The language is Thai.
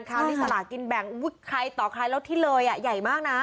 ชาวถ้าที่สลากกินแบ่งใครต่อใครแล้วที่เลยยังใหญ่มากนะ